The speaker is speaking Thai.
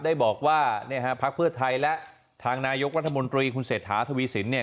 ได้บอกว่าเนี่ยฮะพักเพื่อไทยและทางนายกรัฐมนตรีคุณเศรษฐาทวีสินเนี่ย